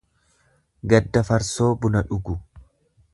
Gadda farsoo buna dhugu.